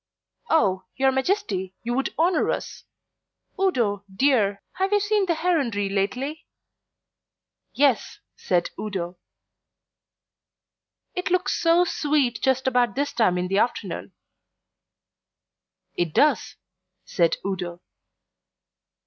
"Oh, your Majesty, you would honour us. Udo, dear, have you seen the heronry lately?" "Yes," said Udo. "It looks so sweet just about this time of the afternoon." "It does," said Udo.